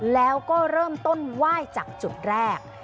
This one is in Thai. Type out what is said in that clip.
แล้วก็เริ่มต้นไหว้จากจุดแรก